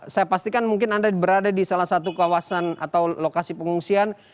saya pastikan mungkin anda berada di salah satu kawasan atau lokasi pengungsian